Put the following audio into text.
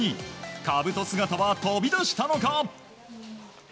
かぶと姿は飛び出したのか？